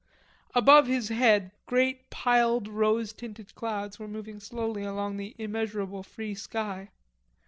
Above his head great piled, rose tinted clouds were moving slowly across the immeasurable free sky.